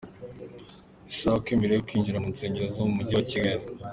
Isakwa mbere yo kwinjira mu nsengero zo mu mujyi wa Kigali